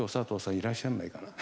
いらっしゃらないかな？